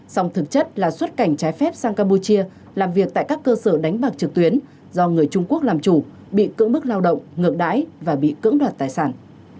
song thực chất là xuất cảnh trái phép sang campuchia làm việc tại các cơ sở đánh bạc trực tuyến do người trung quốc làm chủ bị cưỡng bức lao động ngược đáy và bị cưỡng đoạt tài sản